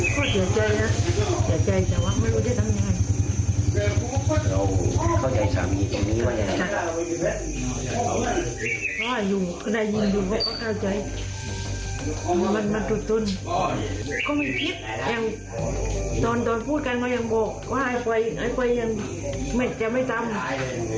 ก็กลับมาอีกกลับมากวนดูอีกอยู่เจอกันยังหน้า